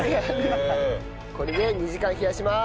これで２時間冷やします！